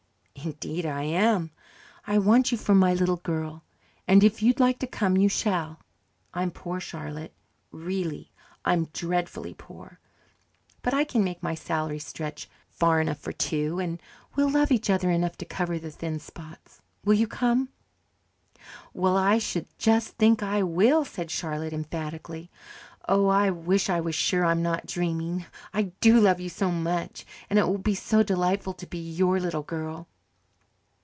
"Indeed I am. I want you for my little girl, and if you'd like to come, you shall. I'm poor, Charlotte, really, I'm dreadfully poor, but I can make my salary stretch far enough for two, and we'll love each other enough to cover the thin spots. Will you come?" "Well, I should just think I will!" said Charlotte emphatically. "Oh, I wish I was sure I'm not dreaming. I do love you so much, and it will be so delightful to be your little girl."